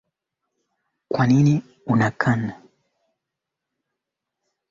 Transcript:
kadhaa ya kimataifa kilianza kutenda dhidi ya serikali ya